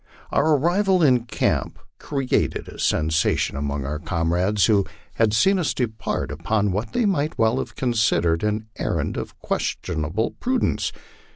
Our arrival in camp created a sensation among our comrades, who had seen us depart upon what they might well have considered an errand of questionable prudence.